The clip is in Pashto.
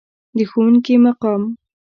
د ښوونکي مقام.